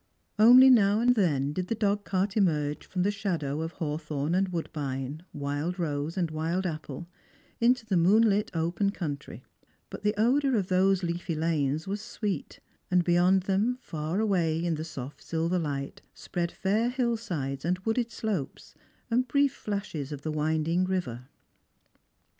Only now and then did the dogcart emerge from the shadow of hawthorn and wood bine, wild rose and wild apple, into the moonlit open country ; but the odour of those leafy lanes was sweet, and beyond them, far away in the soft silver light, spread fair hill sides and wooded slopes, and brief flashes of the winding river.